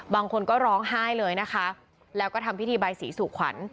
บางคนก็ร้องไห้เลยนะคะแล้วก็ทำพิธีใบสีสู่ขวัญ